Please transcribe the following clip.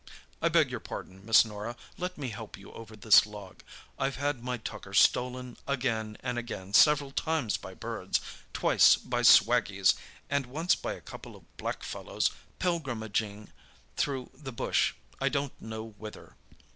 I beg your pardon, Miss Norah, let me help you over this log. I've had my tucker stolen again and again, several times by birds, twice by swaggies, and once by a couple of black fellows pilgrimaging through the bush I don't know whither.